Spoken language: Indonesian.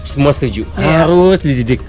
semua setuju harus dididik